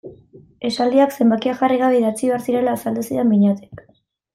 Esaldiak zenbakia jarri gabe idatzi behar zirela azaldu zidan Beñatek.